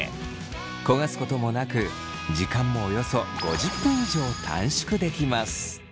焦がすこともなく時間もおよそ５０分以上短縮できます。